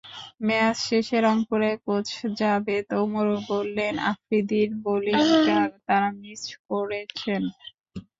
Match শেষে রংপুরের coach Javed ওমরও বললেন, আফ্রিদির বোলিংটা তাঁরা মিস করেছেন।